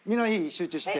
集中して。